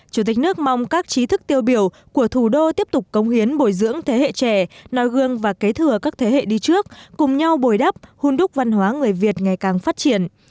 chủ tịch nước mong các trí thức tiêu biểu của thủ đô tiếp tục công hiến bồi dưỡng thế hệ trẻ nói gương và kế thừa các thế hệ đi trước cùng nhau bồi đắp hun đúc văn hóa người việt ngày càng phát triển